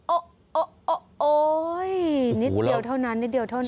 โอ้โหนิดเดียวเท่านั้นนิดเดียวเท่านั้น